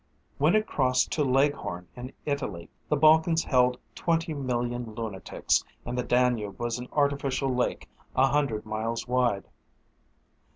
When it crossed to Leghorn in Italy the Balkans held twenty million lunatics and the Danube was an artificial lake a hundred miles wide.